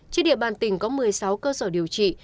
trên địa bàn tỉnh có một mươi sáu cơ sở điều trị